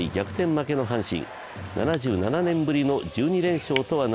負けの阪神。